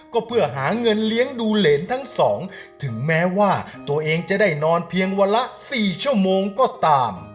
ก็เพื่อหาเงินเลี้ยงดูเหรนทั้งสองถึงแม้ว่าตัวเองจะได้นอนเพียงวันละ๔ชั่วโมงก็ตาม